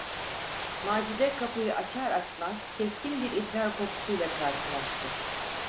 Macide kapıyı açar açmaz keskin bir idrar kokusuyla karşılaştı.